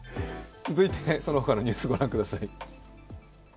続いて、その他のニュースを御覧ください。